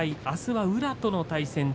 あすは宇良との対戦。